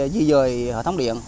di rời hệ thống điện